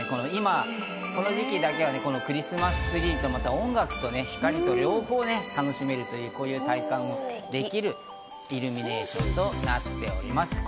今、この時期だけはクリスマスツリーと音楽と光と両方ね、楽しめるというこういう体感もできるイルミネーションとなっております。